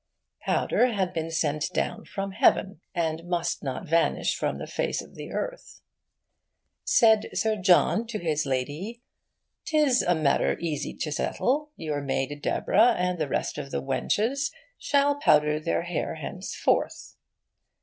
Powder had been sent down from heaven, and must not vanish from the face of the earth. Said Sir John to his Lady, ''Tis a matter easy to settle. Your maid Deborah and the rest of the wenches shall powder their hair henceforth.